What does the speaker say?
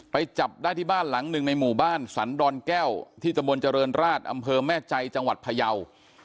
จับได้ที่บ้านหลังหนึ่งในหมู่บ้านสันดอนแก้วที่ตะบนเจริญราชอำเภอแม่ใจจังหวัดพยาว